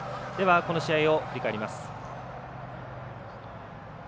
この試合を振り返ります。